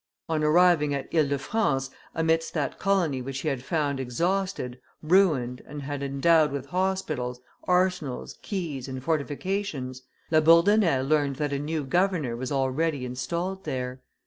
On arriving at Ile de France, amidst that colony which he had found exhausted, ruined, and had endowed with hospitals, arsenals, quays, and fortifications, La Bourdonnais learned that a new governor was already installed there.